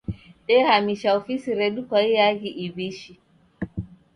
Dehamisha ofisi redu kwa iaghi iw'ishi.